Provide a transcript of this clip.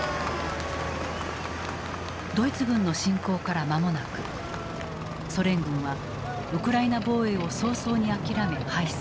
ドイツ軍の侵攻からまもなくソ連軍はウクライナ防衛を早々に諦め敗走。